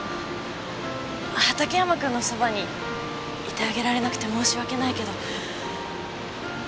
畑山君のそばにいてあげられなくて申し訳ないけど。